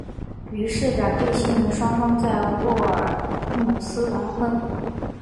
于是两对新人双双在沃尔姆斯完婚。